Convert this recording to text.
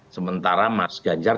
sementara mas ganjar